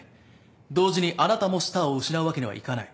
同時にあなたもスターを失うわけにはいかない。